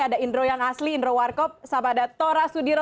ada indro yang asli indro warkop sama ada tora sudiro